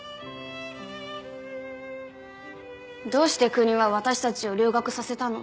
どうして国は私たちを留学させたの？